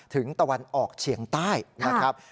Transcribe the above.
ตะวันออกเฉียงใต้นะครับ